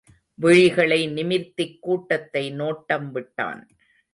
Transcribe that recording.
விழிகளை நிமிர்த்திக் கூட்டத்தை நோட்டம் விட்டான்.